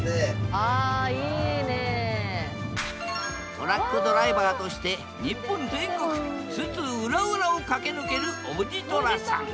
トラックドライバーとして日本全国津々浦々を駆け抜けるおじとらさん。